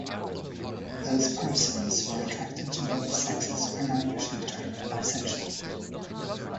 Those persons who are attracted to both sexes are now usually termed "bisexual".